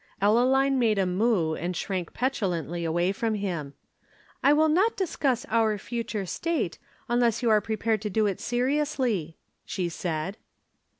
Ellaline made a moue and shrank petulantly away from him. "I will not discuss our future state, unless you are prepared to do it seriously," she said.